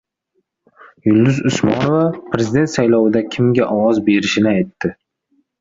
Yulduz Usmonova prezident saylovida kimga ovoz berishini aytdi